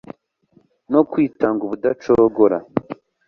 no kwitanga ubudacogora